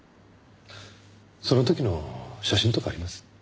その時の写真とかあります？